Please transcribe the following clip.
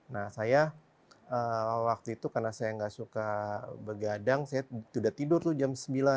nah saya waktu itu karena saya gak suka begadang saya sudah tidur tuh jam sembilan